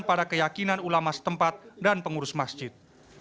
pada keyakinan ulama setempat dan pengurus masjid